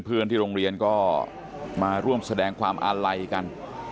เพื่อนที่โรงเรียนก็มาร่วมแสดงความอาลัยกัน